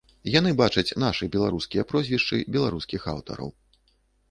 Яны бачаць нашы беларускія прозвішчы, беларускіх аўтараў.